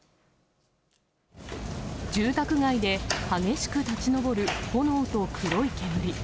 住宅街で激しく立ち上る炎と黒い煙。